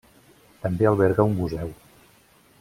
També alberga un museu.